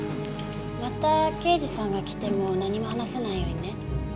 また刑事さんが来ても何も話さないようにね。